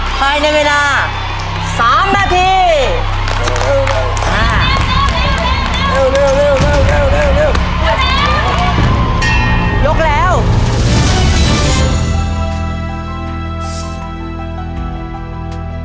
ไหลในเวลาสามนาทีเร็วเร็วเร็วเร็วเร็วเร็วเร็วเร็ว